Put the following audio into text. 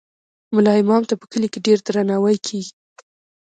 ملا امام ته په کلي کې ډیر درناوی کیږي.